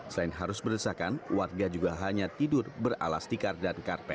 selain harus beresakan warga juga hanya tidur berala stikar dan karpet